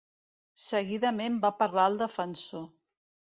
Seguidament va parlar el defensor.